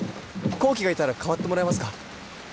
紘希がいたら代わってもらえますか？